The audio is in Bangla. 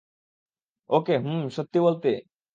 ওকে, হুম, সত্যি বলতে?